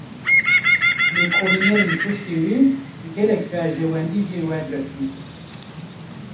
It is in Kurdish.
Lêkolînerên piştî wî, gelek berjewendî jê wergirtine